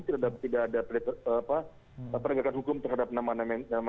tidak ada tidak ada apa perindakan hukum terhadap nama nama nama